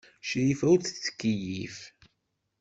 Crifa ur tettkeyyif.